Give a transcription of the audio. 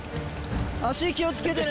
足気をつけてね